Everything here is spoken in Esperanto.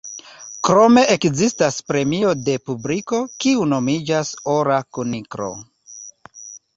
Krome ekzistas premio de publiko, kiu nomiĝas Ora Kuniklo.